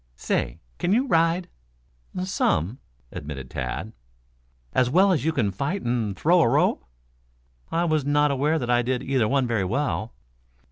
"Say, can you ride?" "Some," admitted Tad. "As well as you can fight and throw a rope?" "I was not aware that I did either one very well."